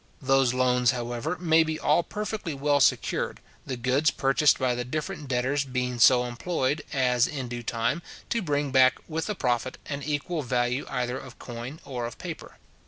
Those loans, however, may be all perfectly well secured, the goods purchased by the different debtors being so employed as, in due time, to bring back, with a profit, an equal value either of coin or of paper.